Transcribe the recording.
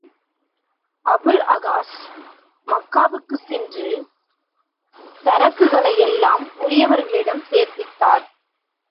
Abul As மக்காவுக்குச் சென்று சரக்குகளை எல்லாம் உரியவர்களிடம் சேர்ப்பித்தார்.